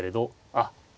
あっ。